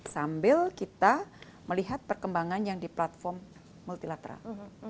sambil kita melihat perkembangan yang di platform multilateral